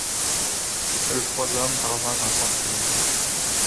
Seuls trois hommes parvinrent à s’enfuir.